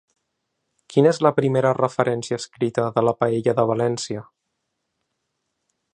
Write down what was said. Quina és la primera referència escrita de la ‘paella de València’?